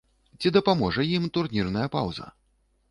Ці дапаможа ім турнірная паўза?